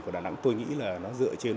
của đà nẵng tôi nghĩ là nó dựa trên